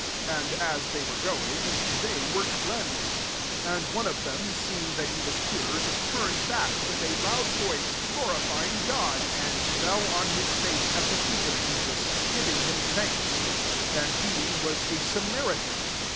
And as they were going, they were cleansed. 15 And one of them, seeing that he was cured, turned back, with a loud voice gloiifying God ; 16 and fell on Ma face at the feet of Jesus, giving him thanks : s^ he was a Samari tan.